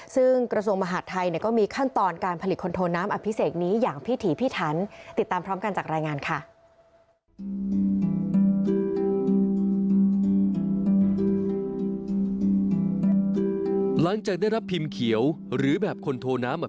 ซึ่งกระทรวงมหาดไทยก็มีขั้นตอนการผลิตคนโทนน้ำอภิเษกนี้อย่างพิถีพิทัณฑ์